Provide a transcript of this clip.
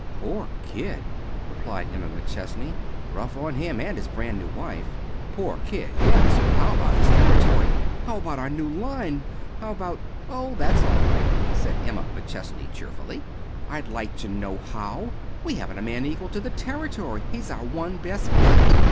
"Poor kid," replied Emma McChesney. "Rough on him and his brand new wife." "Poor kid! Yes. But how about his territory? How about our new line? How about " "Oh, that's all right," said Emma McChesney, cheerfully. "I'd like to know how! We haven't a man equal to the territory. He's our one best bet."